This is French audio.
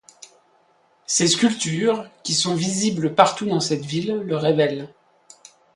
Ses sculptures qui sont visibles partout dans cette ville le révèlent.